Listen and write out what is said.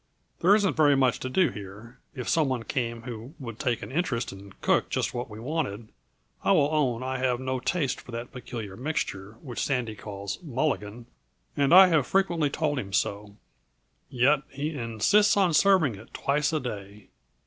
"There isn't very much to do here; if some one came who would take an interest and cook just what we wanted I will own I have no taste for that peculiar mixture which Sandy calls 'Mulligan,' and I have frequently told him so. Yet he insists upon serving it twice a day.